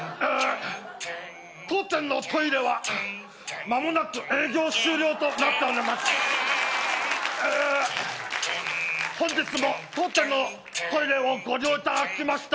当店のトイレは間もなく営業終了となっておりますえ